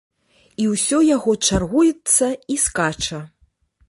І ўсё яго чаргуецца і скача.